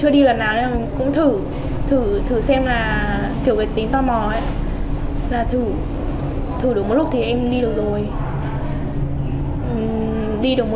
đi được một lúc thì bị ngã